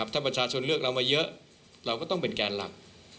ถ้าประชาชนเลือกเรามาเยอะเราก็ต้องเป็นแกนหลัก